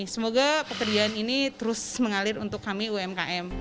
semoga pekerjaan ini terus mengalir untuk kami umkm